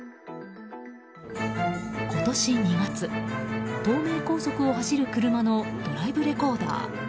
今年２月、東名高速を走る車のドライブレコーダー。